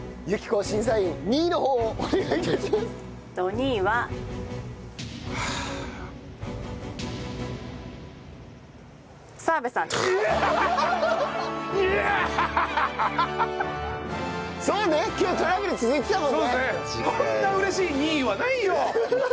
こんな嬉しい２位はないよ！